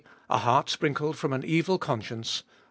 A Heart sprinkled from an Evil Conscience.